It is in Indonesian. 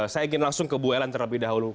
saya ingin langsung ke bu ellen terlebih dahulu